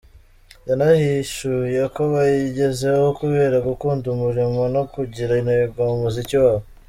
Yanahishuye ko bayigezeho kubera gukunda umurimo no kugira intego mu muziki wabo.